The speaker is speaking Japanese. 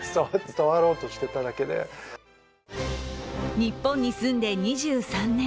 日本に住んで２３年。